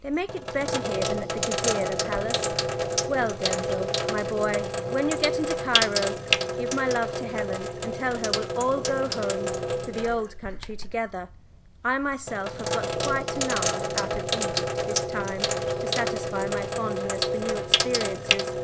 "They make it better here than at the Gezireh Palace. Well, Denzil, my boy, when you get into Cairo, give my love to Helen and tell her we'll all go home to the old country together; I, myself, have got quite enough out of Egypt this time to satisfy my fondness for new experiences.